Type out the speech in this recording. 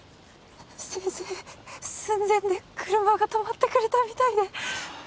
先生寸前で車が止まってくれたみたいで。